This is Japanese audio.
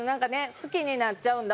好きになっちゃうんだ